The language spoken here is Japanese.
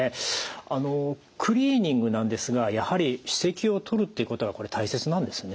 あのクリーニングなんですがやはり歯石を取るっていうことがこれ大切なんですね。